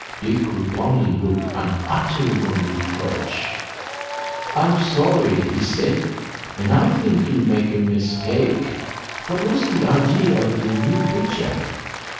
Dick could only look unutterable reproach. "I'm sorry," he said, "and I think you make a mistake. But what's the idea of your new picture?"